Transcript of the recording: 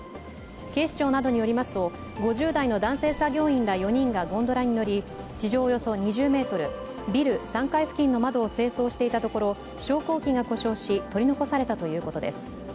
警視庁などによりますと５０代の男性作業員ら４人がゴンドラに乗り、地上およそ２０ｍビル３階付近の窓を清掃していたところ、昇降機が故障し取り残されたということです。